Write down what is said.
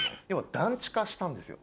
団地化したんですよ。